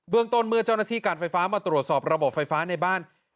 ต้นเมื่อเจ้าหน้าที่การไฟฟ้ามาตรวจสอบระบบไฟฟ้าในบ้าน